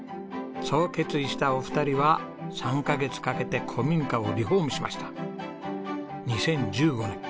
そう決意したお二人は３カ月かけて古民家をリフォームしました。